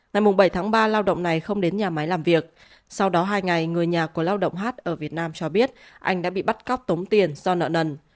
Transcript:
ngày bảy tháng ba lao động này không đến nhà máy làm việc sau đó hai ngày người nhà của lao động hát ở việt nam cho biết anh đã bị bắt cóc tống tiền do nợ nần